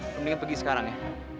mendingan pergi sekarang ya